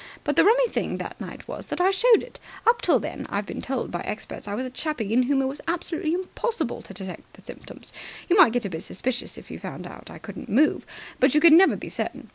But the rummy thing that night was that I showed it. Up till then, I've been told by experts, I was a chappie in whom it was absolutely impossible to detect the symptoms. You might get a bit suspicious if you found I couldn't move, but you could never be certain.